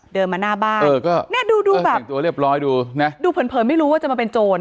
เดินมาหน้าบ้านเออก็เนี่ยดูดูแบบแต่งตัวเรียบร้อยดูนะดูเผินเผินไม่รู้ว่าจะมาเป็นโจร